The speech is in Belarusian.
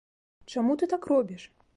Чаму ты так робіш?